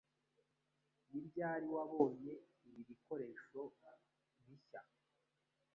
Ni ryari wabonye ibi bikoresho bishya?